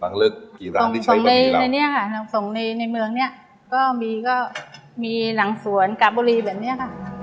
บังลึกกี่ร้านที่ใช้บะหมี่เราสงเลในเนี้ยค่ะสงเลในเมืองเนี้ยก็มีก็มีหลังศวนกาบบุรีแบบเนี้ยค่ะ